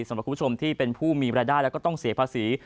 สำหรับคุณผู้ชมที่เป็นผู้มีรายได้แล้วก็ต้องเสียภาษี